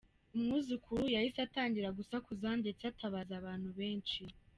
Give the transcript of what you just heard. Umwuzukuru yahise atangira gusakuza ndetse atabaza abantu benshi.